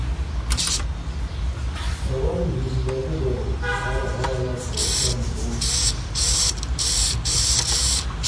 تھوری زندگی درو ہر حالہ کھوشن بو